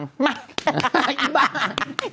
ให้ที่บ้าน